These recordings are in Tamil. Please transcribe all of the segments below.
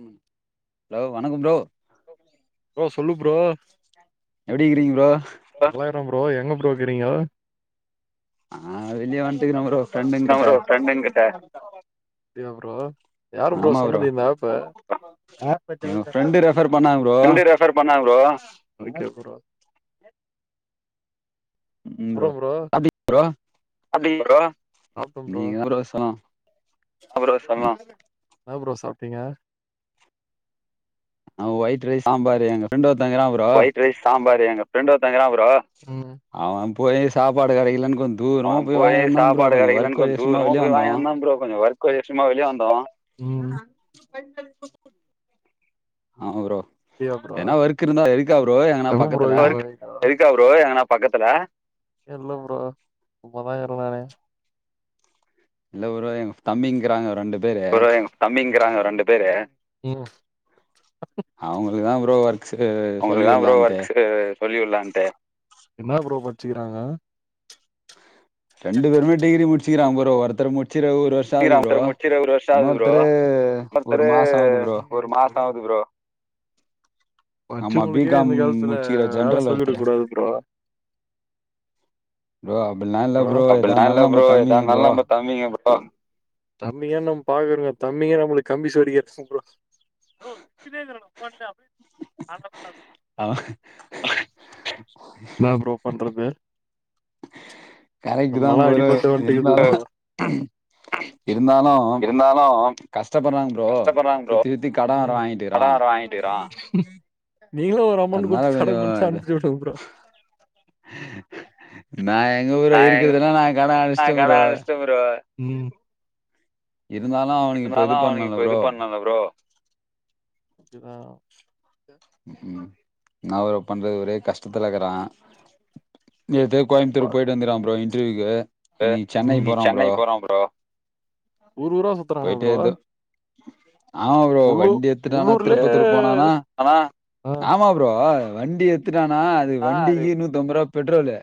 ம் ஹலோ வணக்கம் ப்ரோ எப்டி இருக்கிரிங்க ப்ரோ எங்க ப்ரோ இக்றிங்கோ னா ப்ரோ ஃப்ரண்டு எங்கிட்ட ஆப் பத்திலா பேசாத ஃப்ரண்டு ரெஃபர் பண்ணா ப்ரோ ம் ப்ரோ சாப்டியா ப்ரோ அப்டிங்களா ப்ரோ நீங்கதா ப்ரோ சொலன் அப்புறம் பேசலாமா என்ன ப்ரோ சாப்டீங்க நா ஒய்ட் ரைஸ் சாம்பாரு எங்க ஃப்ரெண்ட் ஒருத் தெங்கிற ப்ரோ எங்க ஃப்ரெண்ட் ஒருத்தவுங்க இருக்காங்க ப்ரோ அவம்ப் போய் சாப்பாடு கிடைக்கலன்னு கொஞ்ச அவன் போய் சாப்பாடு கிடைக்கலனு கொஞ்ச தூரம்மா போய் வாங்கினந்தான் ப்ரோ கொஞ்சம் வர்க் [unintelligible] வெளிய வந்தோ உம் ஆமா ப்ரோ இல்ல ப்ரோ இருக்கா ப்ரோ எதுனா பக்கத்துல இல்ல ப்ரோ சும்மாதான் இருக்கிற இல்ல ப்ரோ எங் தம்பிங் இக்றாங்கோ ரெண்டு ப்ரோ எங்க தம்பிங்க இருகாங்க ஒரு ரெண்டு பேரு உம் அவுங்க இதா ப்ரோ ஒர்க் ஒங்களுக்கு தா ப்ரோ ஒர்க்ஸு சொல்லிகுடுக்கலான்டு என்ன ப்ரோ படிச்சிக்றாங்க ரெண்டு பேருமே டிகிரி முடி சீக்ரவாங்க ப்ரோ ஒருத்தரு முடி [unintelligible] ஒரு வருஷ ஆவுது ப்ரோ இன்னொருத்தரு ஒரு மாச ஆவுது ப்ரோ ஆகுது ப்ரோ படிச்சவங்களுக்கே இந்த காலத்துல வேலை சொல்லிடகூடாது ப்ரோ ப்ரோ அப்டிலாம் இல்ல ப்ரோ ஏதா இருந்தாலும் நம்ம தம்பிங்க ப்ரோ தம்பிங்கனு நம்ம பாக்குறோமே தம்பிக நம்மளுக்கு கம்பி சொறுகியாச்சுங் ப்ரோ ஆஹ் இருந்தாலும் கஷ்டப்படுறாங்க ப்ரோ சுத்தி சுத்தி கடன் வேற வாங்கிட்டிருக்குறோம் நீங்களும் ஒரு அமௌண்ட் குடுத்து கடன் குடுத்து அனுப்பி விடுங்க ப்ரோ நான் எங்க ஊர இருக்கிறதுனா நான் கடன் அடச்ட்டே ப்ரோ உம் இருந்தாலும் அவனுக்கு இப்ப இது பண்ணல ப்ரோ உஹும் நான் ப்ரோ பண்றது ஒரே கஷ்டத்துல இருக்கறேன் நேத்தே கோயம்பத்தூர் போயிட்டு வந்துருக்கிறான் ப்ரோ இன் இன்ருவியுக்கு ஊர் ஊரா சுத்துறானா ப்ரோ ஆமா ப்ரோ வண்டி எத்துட்டானா திருப்பத்தூர் போனானா ஆமா ப்ரோ இப்போ வண்டி எத் துட்டானா அது வண்டிக்கு நூத்தம்பது ரூபா பெட்ரோலு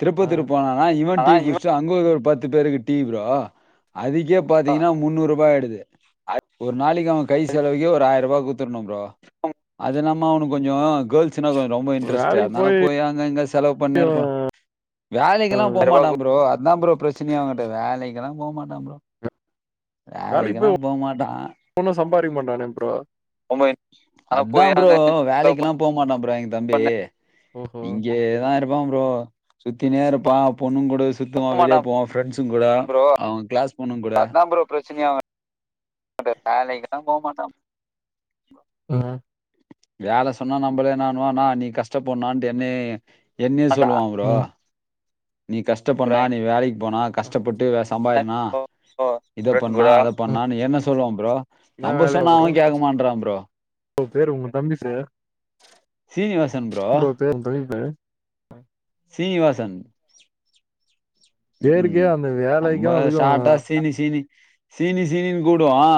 திருப்பத்தூர் போனானா இவன் டி குடிச்சிட்டு அங்க ஒரு பத் பத்து பேருக்கு டி ப்ரோ அதுக்கே பாத்தீங்கன்னா மூன்நூறு ரூபா ஆய்டுது [unintelligible] ஒரு நாளைக்கு அவன் கை செலவுக்கே ஒரு ஆயிரம் ரூபாய் குடுத்துரணும் ப்ரோ உம் அது நம்ம அவனுக்கு கொஞ்சோ கேள்ஸ்னா கொஞ்சோ ரொம்ப இன்ட்ரெஸ்ட் போய் அங்க இங்க செலவு பண்ணினே இருப்பான் வேலைக்குல்லாம் போமாட்டான் ப்ரோ அதான் ப்ரோ பிரச்சனையே அவன் கிட்ட வேலைக் கெளம்பவும் மாட்டான் ப்ரோ வேலைக்கு போய் ஒண்ணும் சம்பாறிக்க மாட்டானே ப்ரோ [inaudible] அதான் ப்ரோ வேலைக்குல்லா போமாட்டான் ப்ரோ எங்க தம்பி இங்கேதான் இருப்பான் ப்ரோ சுத்தின்டே இருப்பா பொண்ணுக கூட போகமாட்ட [inaudible] ப்ரோ அதான் [unintelligible] ப்ரோ அதான் ப்ரோ பிரச்சனையே அவன் கிட்ட வேலைக்கு எல்லா போகமாட்டான் உம் வேலை சொன்னா நம்மளேனனு அண்ணா நீ கஷ்டப்படுனான்ட்டு என்னையே என்னய சொல்லுவான் ப்ரோ நீ கஷ்ட பண்ணா நீ வேலைக்கு போனா கஷ்டப்பட்டு சம்பதிண்ணா இத பண்ணா அத பண்ணா என்ன சொல்லுவான் ப்ரோ நம்ம சொன்னா அவன் கேட்க மாட்றான் ப்ரோ சீனிவாசன் ப்ரோ ஹா சீனிவாசன் பேருக்கே அந்த வேலைக்கும் அதுக்கும் சீனி சீனின்னு கூப்டுவோம்மா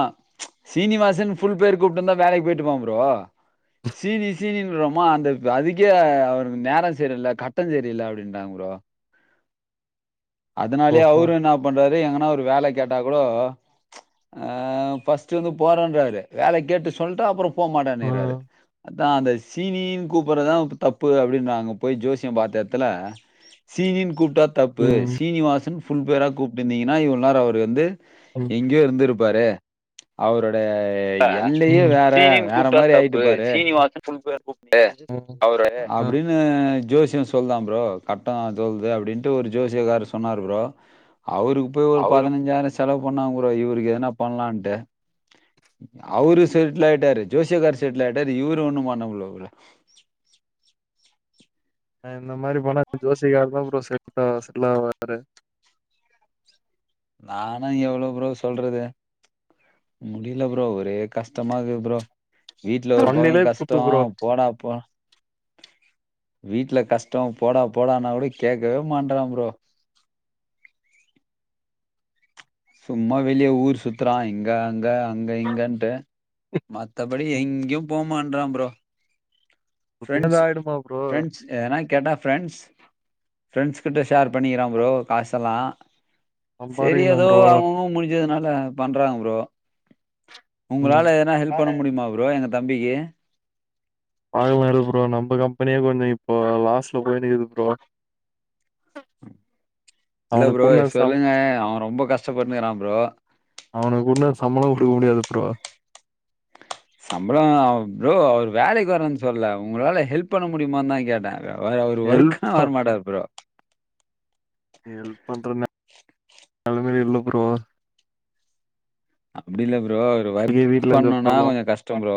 ச்சு சீனிவாசன் ஃபுல் பேர் கூப்பிட்டுருந்தான் வேலைக்கு போயிட்டுப்பான் ப்ரோ சீனிசீன்னுரோமா அந்தக் அதுக்கே அவருக்கு நேரம் செரியல கட்டம் செரியல அப்படின்றாங்க ப்ரோ அதனாலயே அவரும் என்ன பண்றாரு எங்க ஒரு வேலை கேட்டா கூட ச்சு அஹ் ஃபஸ்ட்ட் வந்து போறன்றாரு வேலை கேட்டு சொல்லிட்டு அப்புறோ போமாட்டேன்னு இறாரு நான் அந்த சீனினு கூப்புறதுதான் தப்பு அப்படின்றாங்க போய் ஜோசியம் பாத்த இடத்துல சீனினு கூப்பி பிட்டா தப்பு சீனிவாசன் ஃபுல் பேரா கூப்பிட்டிருந்தீங்கன்னா இவளோ நேரம் அவர் வந்து எங்கயோ இருந்து இருப் இருந்துருப்பாரு ச்சு அவரு ஆஹ ம் சீனின்னு கூப்பிட்டா தப்பு சீனிவாசன்னு ஃபுல் பேர் கூப்டு அப்படின்னு ஜோசியம் சொல்றா ப்ரோ கட்டம் சொல்லுது அப்படின்ட்டு ஒரு ஜோசியக்கார் சொன்னார் ப்ரோ அவருக்கு போய் ஒரு பதினஞ்சாயிரம் செலவு பண்ணாங்கறோ இவருக்கு எதன பண்ணலாம்ட்டு அவரு செட்லாகிட்டாரு ஜோசியகார் செட்லாகிட்டாரு இவரு ஒண்ணும் பண்ண முடியல ப்ரோ இந்த மாரி போன ஜோசியக்கார் தா ப்ரோ செட் செட்ல்லாவரு நானா எவ்வளவு ப்ரோ சொல்றது ச்சு முடியல ப்ரோ ஒரே கஷ்டமாக்குது ப்ரோ வீட்டுல ஒரு பக்கம் கஷ்டம் போடாப்போ வீட்டுல கஷ்டம் போடா போடான்னா கூட கேட்கவே மாட்றான் ப்ரோ சும்மா வெளியே ஊர் சுத்துறான் இங்க அங்க அங்க இங்கன்ட்டு மத்தபடி எங்கயும் போம் ம் பன்றான் ப்ரோ ஃபிரெண்ட்ஸ் ஃபிரெண்ட்ஸ எதனாவது கேட்டா ஃப்ரெண்ட்ஸ் ஃப்ரெண்ட்ஸ் கிட்ட ஷேர் பண்ணிகிறா ப்ரோ காசெல்லா செரி ஏதோ அவங்க அவங்க முடிஞ்சதுனால இல்ல பண்றாங்க ப்ரோ உங்களால எதுனா ஹெல்ப் பண்ண முடியுமா ப்ரோ எங்க தம்பிக்கு பாத்துக்கலா இரு ப்ரோ நம்ம கம்பெனியே கொஞ்சோ இப்போ லாஸ்ல போயிட்டு இருக்குது ப்ரோ இல்ல ப்ரோ சொல்லுங்க அவ ரொம்ப கஷ்டப்பட்னுக்கிறா ப்ரோ அவனுக்குன்னோ சம்பளோ கொடுக்க முடியாது ப்ரோ சம்பள ப்ரோ அவர் வேலைக்கு வரன்னு சொல்ல உங்களால ஹெல்ப் பண்ண முடியுமா தா கேட்டே அவரு ஒர்க்குனா வர மாட்டாரு ப்ரோ ஹெல்ப் பண்ற நெலைமல இல்ல ப்ரோ அப்படி இல்ல ப் ரோ ஒர்க் பண்ணுனா கொஞ்ச கஷ்ட ப்ரோ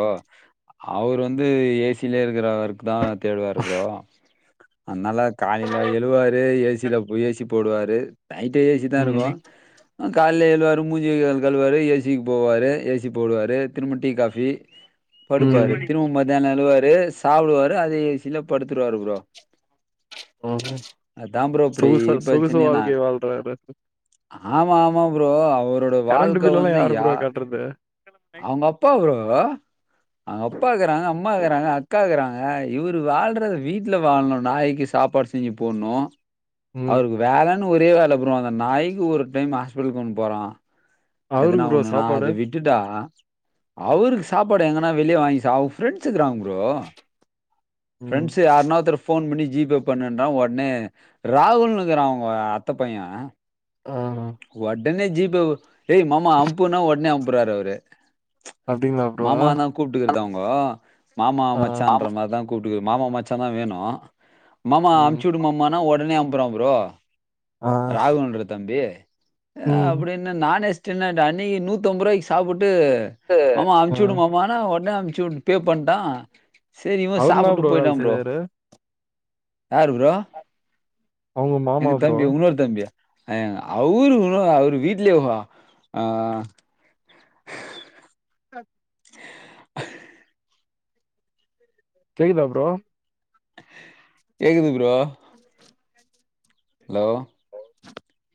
அவர் வந்து ஏசியில இருக்கிற ஒர்க் தா தேடுவார் ப்ரோ அதனால காலைல எழுவாரு ஏசியில போய் ஏசி போடுவாரு நைட்டு ஏசிதா இருக்கு கா எல்லாரு மூஞ்சி கை கால் கழ் ரு ஏசிக்கு போவாரு ஏசி போடுவாரு திரும்ப டி காபி படுப்பாரு திரும்பவு மத்தியானோ வருவாரு சாப்பிடுவாரு அதே ஏசில படுத்துருவாரு ப்ரோ அதா ப்ரோ பெரிய பிரச்சனனா ஆமா ஆமா ப்ரோ அவரோட வாழ் பில் எல்லா யாரு ப்ரோ கட்டுறது அவங்க அப்பா ப்ரோ அவங்க அப்பா இருக்கறா அம் ம்மா இருக்கிறாங்க அக்கா இருக்கிறாங்க இவரு வாழ்றத வீட்டுல வாழணு நாய்க்கு சாப்பாடு செஞ்சு போட்ணு அவருக்கு வேலன்னு ஒரே வேல இல்ல ப்ரோ அந்த நாய்க்கு ஒரு டைம் ஹாஸ்பிட்டலுக்கு கொண்டு போறோ எதுனா ஒண்ணு நா அத விட்டுட்டா அவருக்கு சாப்பாடு எங்கன்னா வெளியே வாங்கி சா அவ் ஃப்ரெண்ட்ஸ் இருக்கறாங்க ப்ரோ ஃப்ரண்ட்ஸ் யாரு நா ஒருத்தர் ஃபோன் பன்னி ஜிபே பண்ணுணா ஒட்னே ராகுல்னுக்கிறா அவுங்க அத்த பைய ஆ டேனே ஜிபே எய் மாமா அம்புனா ஒட்னே கூப்ராரு அவரு அப்படிங்களா ப்ரோ இதாங்கோ மாமா மச்சான்ற மாதிரி தான் கூப்புட்டுக் மாமா மச்சான் தான் வேணும் மாமா அனுப்பிச்சு விடு மாமானா ஒடனே அப்புறம் ப்ரோ ராகுன்ற தம்பி அப்படின்னு நானே சின்ன அண்ணி நூத்து அம்பது ரூபாய்க்கு சாப்பிடு டு மாமா அனுப்பிச்சு விடு மாமானா ஒட ஒடனெ அம்ச்சுட் பே பண்டான் அவரு என்ன ப்ரோ வேல செய்றாரு யாரு ப்ரோ எங்க தம்பி இன்னொரு தம்பியா [unintelligible] அவரு ப்ரோ அவரு வீட்டிலேயே வா க அஹ் கேக்குதா ப்ரோ கேக்குது ப்ரோ ஹலோ [inaudible]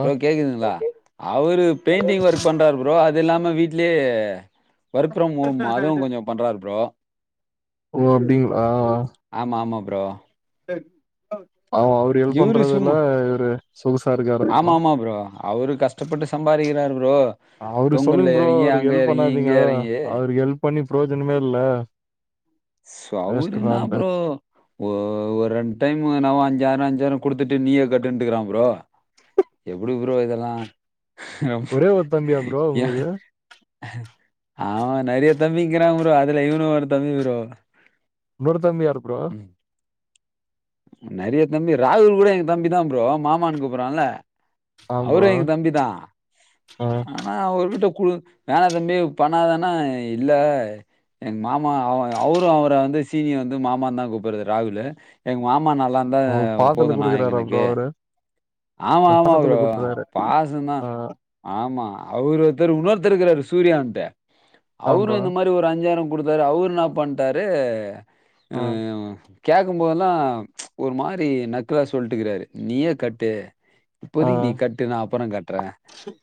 ப்ரோ கேக்குதுங்களா அவரு பெயிண்டிங் ஒர்க் பண்றரு ப்ரோ அத் அது இல்லாம வீட்லயே வொர்க் ப்ரம் ஹோம் அதுவும் கொஞ்சம் பண்றாரு ப்ரோ ஓ அப்படிங்களா ப்ரோ பே அவ அவர் இது பண்றதுல இவரு ஆமா ஆமா ப்ரோ அவரு கஷ்டப்பட்டு சம்பாதிக்கிறாரு அவரு சொல்லுங்க ப்ரோ அவருக்கு ஹெல்ப் பண்ணாதீங்க அவரு ஹெல்ப் பண்ணி பிரயோஜனமே இல்ல சோ அவரு என்ன ப்ரோ ஒர் ஒரு ரெண்டு டைம் பணம் அஞ்சாயிரம் குடுத்துட்டு நீயெ கட்டுட்டுக்கிறான் ப்ரோ எப்டி ப்ரோ இதெல்லா ஒரே ஒர் தம்பியா ப்ரோ உங்குளுக்கு ஆமா நெறயா தம்பிங்றாங் ப்ரோ அதுல இவுனு ஒரு தம்பி ப்ரோ இன்னொரு தம்பியா [unintelligible] ப்ரோ நெறயா தம்பி ராகுல் கூட என் தம்பி தா ப்ரோ மாமான்னு கூப்புறான்ல அவுரு எங் தம்பிதா ஆனா அவர்குட்ட கு வேணா தம்பி பண்ணாதனா இல்ல எங் மாமா அவ அவுரு அவர வந்து சீனி வந்து மாமாதா கூப்புறது ராகுலு எங் மாம் மா நல்லாந்தா போதுனா எங்னக்கு ஆமா ஆமா ப்ரோ பாசோந்தா ஆமா அவர் ஒருத்தர் உன்னொருத்துருக் க்காரு சூர்யா ன்ட்டு அவுரு இந்த மாரி ஒரு அஞ்சார குடுத்தாரு அவுரு இன்னா பண்ட்டாரு [unintelligible] கேக்கம்போதெல்லா ஒரு மாரி நக்குலா சொல்லிட்டுக்குறாரு நீயே கட் ட்டு இப்போதிக் நீ கட்டு நா அப்ற கட்றே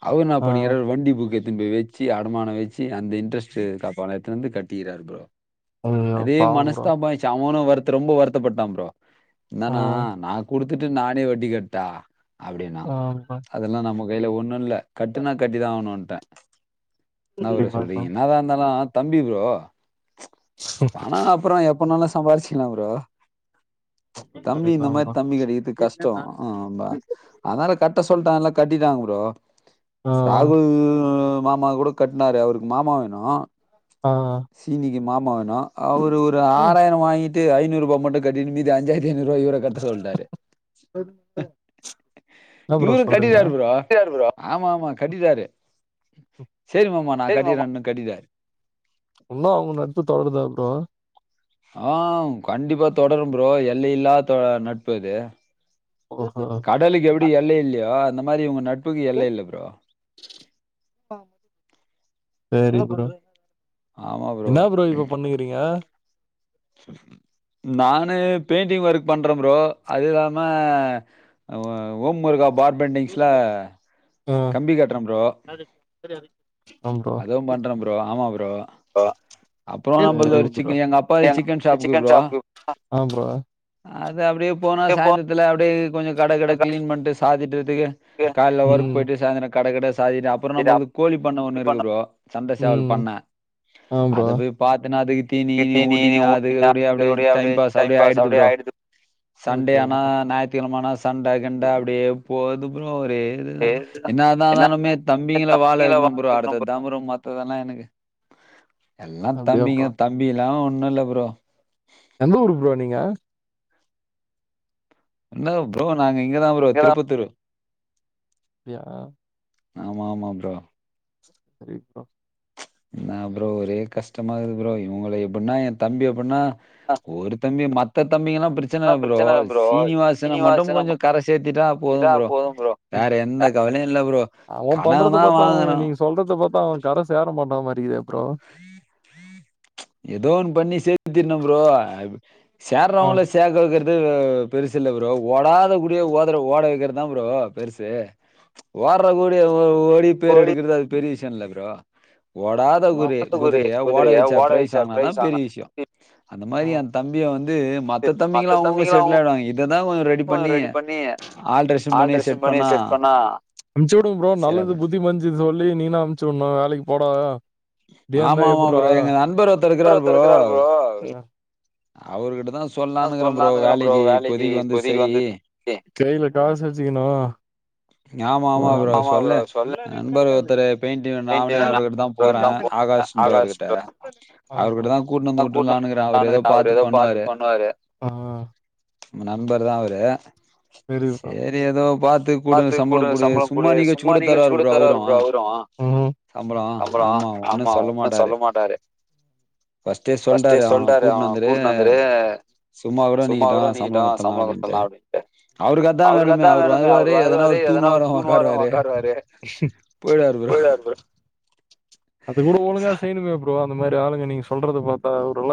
அவ என்னா பண்ணிகிறா வண்டி புக்கு எடுத் ம்பிய வெச்சு அடமான வெச்சு அந்த இன்டரஸ்ட்டு [unintelligible] கட்டிகிறாரு ப்ரோ அதே மனஸ்தாபோ ஆயிச்சி அவனு வட் குடுத்து ரொம்ப வருத்தப்பட்டா ப்ரோ என்னனா நா குடுத் த்துட்டு நானே வட்டி கட் ட்டா அப்டின்னா அதுல்லா நமக் வேல ஒண்ணுல்ல கட்டுனா கட்டிதா ஆவுணுன் ட்ட என்ன ப்ரோ சொல்றீங்க என்னதாந்தாலு தம்பி ப்ரோ பணோ அப்றோ எப் பணோலா சம்பார்சிங்ளா ப்ரோ தம்பி இந்த மாரி தம்பி கெடைக்குது கஷ்டோ ஆபா அதுனால கட் ட்ட சொல்டான்ல கட்டிட்டா ப்ரோ ராகுல் மாமா கூட கட்னாரு அவருக் மாமா வேணு சீனிக்கு மாப் ம்மா வேணு அவரு ஒரு ஆறாயிரொ வாங்கி ட்டு ஐநூறுபா மட்டு கட்டிட்டு மீதி அஞ்சாயிர த்தைநாறுவா இவர கட்ட சொல்ட்டாரு இவரு கட்டிட்டார் ப்ரோ ஆமாம் ஆமா கட்டிட்டாரு சரி மாமா நா கட்டியறனு கட்டிட்டாரு உன்னு அவங்க நட்பு தொடருதா ப்ரோ ஆஹ் கண்டிப்பா தொடரும் ப்ரோ எல்லையில்லா தோழ நட்பது கடலுக்கு எப்படி எல்ல இல்லயோ அந்த மாரி இவங்க நட்ப் ட்புக்கு எல்ல இல்ல ப்ரோ சரி ப்ரோ என்ன ப்ரோ இப்ப பண்ணுகிறீங்க நானு பெயிண்டிங் ஒர்க் பண்ற ப்ரோ அது இல்லாம ஓ ஓம் ஒர்க்கா பார்பெண்டிங்ஸ்ல கம்பி கட்டுற ப்ரோ தெரியாரு அதுவும் பண்ற ப்ரோ ஆமா ப்ரோ அப்புறொ நம்மள்து ஒரு சிக்கி எங்க அப்பா சிக்கன் ஷாப்புக்கு ப்ரோ அது அப்படியே போனா சாயந்திரத்துல அப்படியே கொஞ்ச கட கட கிளீன் பண்ட்டு சாத்திட்டு டிக கால ஒர்க்கு போயிட்டு சாயந்திர கடகட ஸ் சாதிட்டு அப்பறொ நம்மள்து கோழி பண்ண ஒன்னு இருக்கு சண்ட சேவல் பண்ண அத போய் பாத்தன்னா அதுக்கு தீனி இனி ஊட்டினு அதுகளோடயே அப்டியே டைம் பாஸ் அப்டியே ஆயிடுது ப்ரோ சன்டை ஆனா நாயித்துக்கெழம ஆனா சண்ட கண்ட அப்படியே போ பாது ப்ரோ ஒரு இதுதா என்னதா ஆனாலுமே தம்பிங்கள வாழ வைக்கணும் ப்ரோ அடுத் த்ததாம் ப்ரோ மத்ததெல்லா எனக்கு எல்லாம் தம்பிங்க தம்பியெல்லா ஒன்னுல்ல ப்ரோ எந்த ஊரு ப்ரோ நீங்க என்ன ப்ரோ நாங்க இங்க தா ப்ரோ திருப்பத்தூரு அப்டியா ஆமாமா ப்ரோ சரிப்பா இன்னா ப்ரோ ஒரே கஷ்டமாகுது ப்ரோ இவுங்கள எப்புன்னா எ தம்பி எப்புன்னா ஒரு தம்பிய மத் த தம்பிங்கலா அவ பண்றத பாத்தா அவ நீங்க சொல்றத பாத்தா அவ கர சேர மாட்டா மா டிகிதே எதோ ஒன்னு பண்ணி சேத்திர்னு ப்ரோ சேர்றவங்கள சேக்க வக்கர் து பெருசில்ல ப்ரோ ஓடாத குடிய ஓதர ஓட வெக்கற தா ப்ரோ பெருசு ஓட்றக் குடிய ஓடி பேர் எடுக்கறது அது பெரிய விஷ் கென்ல ப்ரோ ஓடாத குரய குதிரய ஓட வெச்சா ப்ரைஸ் வாங்னா தா பெரிய விஷ்யோ அந்த மாரி என் தம்பிய வந் அம்ச்சு வுடுங்க ப்ரோ நல்லது புத்தி மஞ்சி சொல்லி நீங் தா அம்ச்சுவுட்னு வேலைக் போ [unintelligible] ஆமா ஆமா ப்ரோ எங்க நண்பர் ஒருத்தருக்கறாரு ப்ரோ அவுர்கிட்ட தா கைல காசு வெச்சிக்கினு [inaudible] ஆகாஷ்ன்றவர்கிட்ட அவுர்கிட்ட தா கூட்னு வந்து வுட்ருலானுக்கறே அவுரு எதோ பாத்து பண்ணுவாரு ஆஹ் நம்ம நண்பர் தா அவரு சேரி எதோ பாத்து குடு சம்பளங்குடு சும்மா நிக்க வச்சு கூட தருவாரு ப்ரோ அவுரு சம்பளோ ஆமா ஆமா ஒன்னு சொல்ல மாட்டாரு ஃபஸ்ட்டே சொல்ட்டாரு அவன கூட்னு வந்துரு சும்மா கூட நிக்கட்டு சம்பளோ குத்தல்லா அப்டின்ட்டு அவருக்கத்தா வேணுமே அவரு வருவாரு எதனா ஒரு தூண் ஓரோ ஒக்காருவாரு போயிடுவாரு ப்ரோ அது கூட ஒழுங்கா செய்ணுமே ப்ரோ இந்த மாரி ஆளுங்க நீங்க சொல்றது பாத்தா அவருல்லா